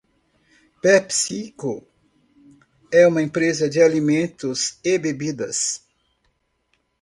PepsiCo é uma empresa de alimentos e bebidas.